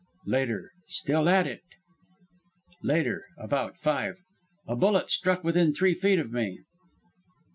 "Later. Still at it. "Later, about five. A bullet struck within three feet of me.